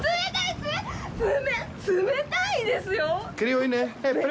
冷、冷たいですよ！